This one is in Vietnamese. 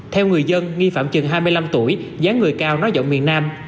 theo người dân nghi phạm chừng hai mươi năm tuổi gián người cao nói giọng miền nam